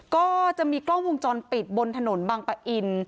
ก็จะมีกล้องวงจรปิดบนถนนบางปะอิน